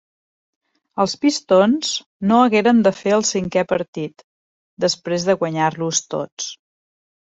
Els Pistons no hagueren de fer el cinquè partit, després de guanyar-los tots.